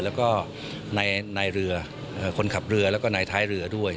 แล้วก็นายเรือคนขับเรือแล้วก็นายท้ายเรือด้วย